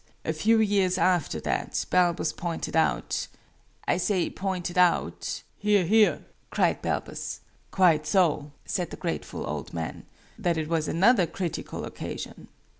"A few years after that, Balbus pointed out I say pointed out " ("Hear, hear"! cried Balbus. "Quite so," said the grateful old man.) " that it was another critical occasion.